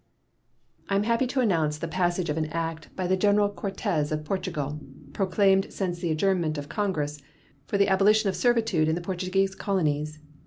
I am happy to announce the passage of an act by the General Cortes of Portugal, proclaimed since the adjournment of Congress, for the abolition of servitude in the Portuguese colonies.